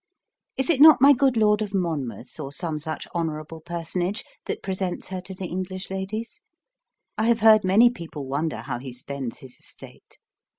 Is it not my good Lord of Monmouth, or some such honourable personage, that presents her to the English ladies? I have heard many people wonder how he spends his estate.